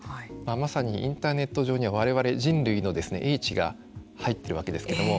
まさにインターネット上には我々人類の英知が入っているわけですけれども。